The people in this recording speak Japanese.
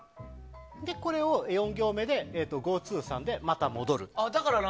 これを４行目で「ＧＯＴＯ３」でまた戻る。